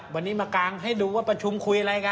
วันนี้มากางให้ดูว่าประชุมคุยอะไรกัน